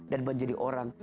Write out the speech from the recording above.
dan menjadi orang